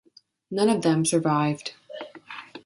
None of them survived.